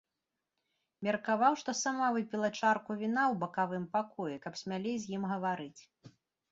Меркаваў, што сама выпіла чарку віна ў бакавым пакоі, каб смялей з ім гаварыць.